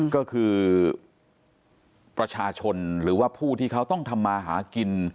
ก็คือประชาชนหรือว่าผู้ที่เขาต้องทำมาหากิน